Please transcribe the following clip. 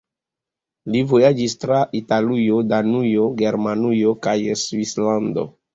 Li vojaĝis tra Italujo, Danujo, Germanujo kaj Svislando.